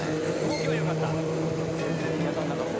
動きはよかった。